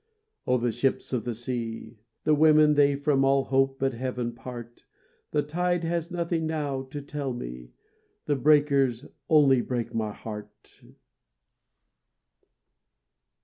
O the ships of the sea! the women They from all hope but Heaven part! The tide has nothing now to tell me, The breakers only break my heart!